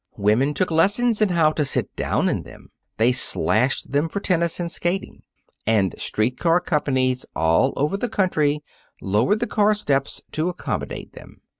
Women took lessons in how to sit down in them. They slashed them for tennis and skating. And street car companies all over the country lowered the car steps to accommodate them.